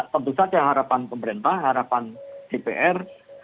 tentu saja harapan pemerintah harapan dpr